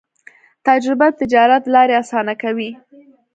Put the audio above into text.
تجربه د تجارت لارې اسانه کوي.